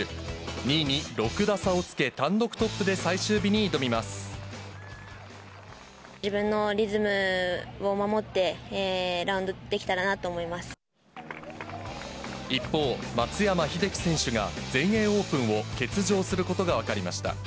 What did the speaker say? ２位に６打差をつけ、単独トップ自分のリズムを守って、一方、松山英樹選手が、全英オープンを欠場することが分かりました。